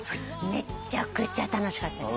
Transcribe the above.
めちゃくちゃ楽しかったです。